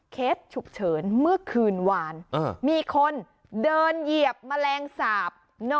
เคสฉุกเฉินเมื่อคืนวานมีคนเดินเหยียบแมลงสาป